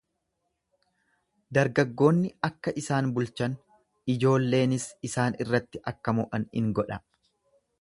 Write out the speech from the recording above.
Dargaggoonni akka isaan bulchan, ijoolleenis isaan irratti akka mo'an in godha.